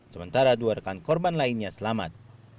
sementara dua rekan korban lainnya selamat